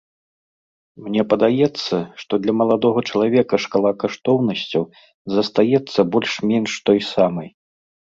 Мне падаецца, што для маладога чалавека шкала каштоўнасцяў застаецца больш-менш той самай.